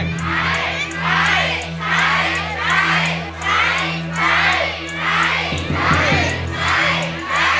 ใช้